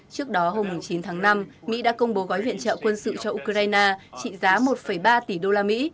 trước đó hôm chín tháng năm mỹ đã công bố gói viện trợ quân sự cho ukraine trị giá một ba tỷ đô la mỹ